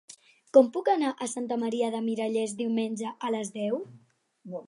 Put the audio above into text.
Com puc anar a Santa Maria de Miralles diumenge a les deu?